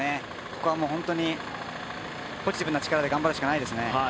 ここはもう本当にポジティブな力で頑張るしかないですね。